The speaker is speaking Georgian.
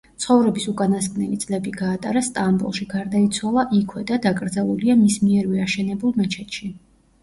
ცხოვრების უკანასკნელი წლები გაატარა სტამბოლში, გარდაიცვალა იქვე და დაკრძალულია მის მიერვე აშენებულ მეჩეთში.